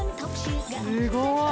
すごい！